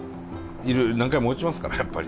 何回も落ちますからやっぱり。